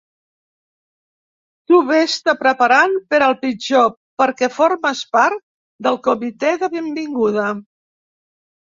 Tu ves-te preparant per al pitjor, perquè formes part del comitè de benvinguda.